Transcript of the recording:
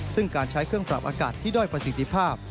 ซึ่งการใช้เครื่องปรับอากาศที่ด้อยประสิทธิภาพ